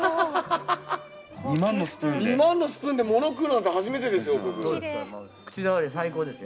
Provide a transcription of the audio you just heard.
２万のスプーンで物食うなんて初めてですよ。